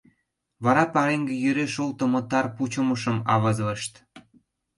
Вара пареҥге йӧре шолтымо тар пучымышым авызлышт.